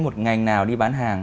một ngành nào đi bán hàng